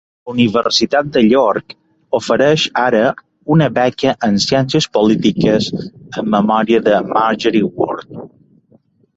La universitat de York ofereix ara una beca en ciències polítiques en memòria de Margery Ward.